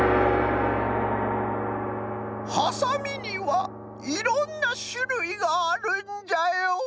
ハサミにはいろんなしゅるいがあるんじゃよ！